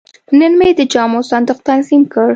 نن مې د جامو صندوق تنظیم کړ.